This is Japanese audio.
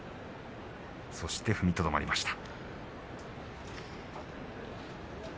そして踏みとどまりました。